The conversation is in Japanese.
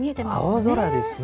青空ですね。